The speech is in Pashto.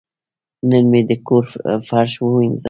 نن مې د کور فرش ووینځه.